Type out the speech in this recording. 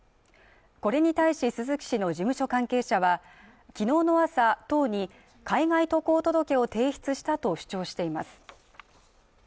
これに対し鈴木氏の事務所関係者はきのうの朝、党に海外渡航届を提出したと主張しています。